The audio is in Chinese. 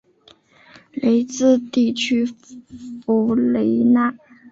雷茨地区弗雷奈。